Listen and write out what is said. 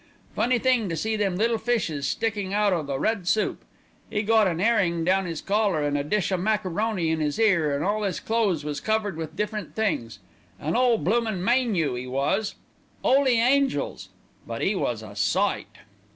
Funny thing to see them little fishes sticking out o' the red soup. 'E got an 'erring down 'is collar, and a dish of macaroni in 'is ear, an' all 'is clothes was covered with different things. An 'ole bloomin' mane yu, 'e was. 'Oly Angels! but 'e was a sight."